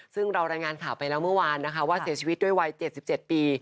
ซึ่งเรารายงานข่าวไปแล้วเมื่อวานนะคะว่าเสียชีวิตด้วยวัย๗๗ปี